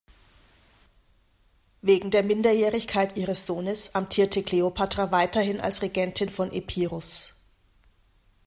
Wegen der Minderjährigkeit ihres Sohnes amtierte Kleopatra weiterhin als Regentin von Epirus.